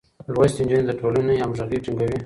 لوستې نجونې د ټولنې همغږي ټينګوي.